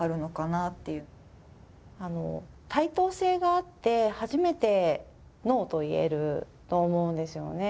あの対等性があって初めてＮＯと言えると思うんですよね。